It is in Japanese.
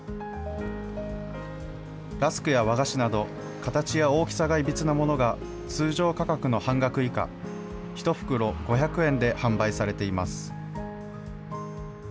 ラスクや和菓子など形や大きさがいびつなものが、通常価格の半額以下、１袋５００円で販売されています。